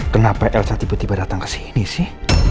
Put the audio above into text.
kenapa elsa tiba tiba datang ke sini sih